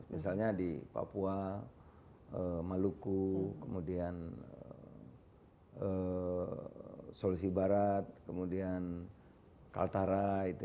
misalnya di papua maluku kemudian sulawesi barat kemudian kaltara itu